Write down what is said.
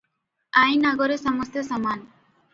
ଆଇନ ଆଗରେ ସମସ୍ତେ ସମାନ ।